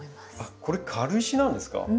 あっこれ軽石なんですか？